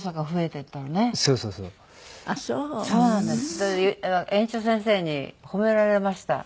それで園長先生に褒められました。